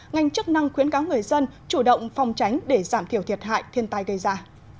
ngành chức năng khuyến cáo người dân chủ động phòng tránh để giảm thiểu thiệt hại thiên tai gây ra